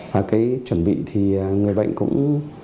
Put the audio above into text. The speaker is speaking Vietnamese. và cái chuẩn bị thì người bệnh cũng